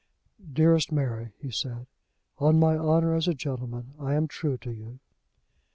"Dearest Mary," he said, "on my honour as a gentleman I am true to you."